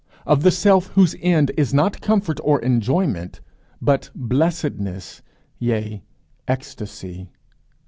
of the self whose end is not comfort, or enjoyment, but blessedness, yea, ecstasy?